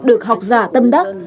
được học giả tâm đắc